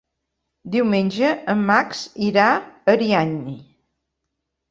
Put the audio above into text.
Diumenge en Max irà a Ariany.